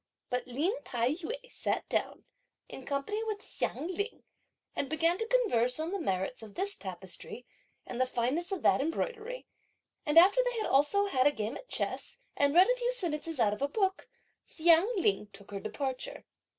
But Lin Tai yü sat down, in company with Hsiang Ling, and began to converse on the merits of this tapestry and the fineness of that embroidery; and after they had also had a game at chess, and read a few sentences out of a book, Hsiang Ling took her departure.